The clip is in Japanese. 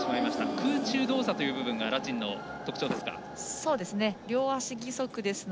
空中動作という部分がラチンの特徴ですか。